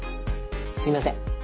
すみません。